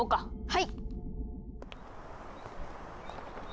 はい！